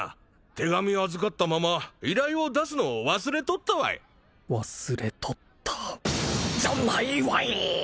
手紙預かったまま依頼を出すのを忘れとったわい忘れとったじゃないわい！